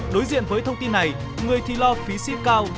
đối diện với thông tin này người thì lo phí siêu cao